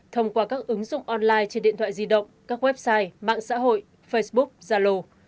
thông qua các ứng dụng online trên điện thoại di động các website mạng xã hội facebook zalo